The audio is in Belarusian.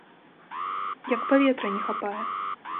Як паветра не хапае.